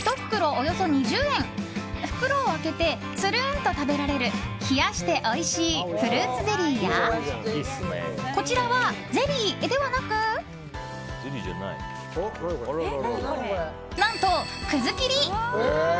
およそ２０円袋を開けてつるんと食べられる冷やしておいしいフルーツゼリーやこちらはゼリーではなく何と葛切り！